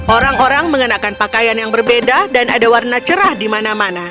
orang orang mengenakan pakaian yang berbeda dan ada warna cerah di mana mana